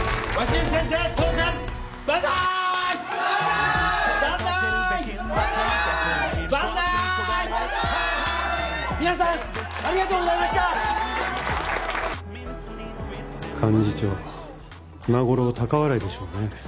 幹事長今頃高笑いでしょうね。